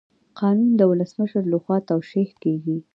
قانون د ولسمشر لخوا توشیح کیږي.